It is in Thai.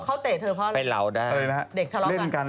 เค้าเตะเธอเพราะอะไรเพื่อเลาด้าน